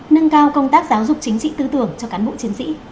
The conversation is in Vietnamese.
nâng cao công tác giáo dục chính trị tư tưởng cho cán bộ chiến sĩ